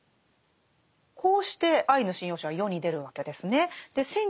こうして「アイヌ神謡集」は世に出るわけですね。